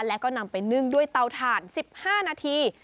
แล้วก็นำไปนึ่งด้วยเตาถ่าน๑๕นาที